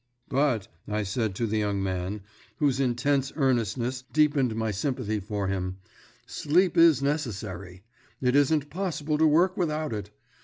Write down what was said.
"But," I said to the young man, whose intense earnestness deepened my sympathy for him, "sleep is necessary. It isn't possible to work without it.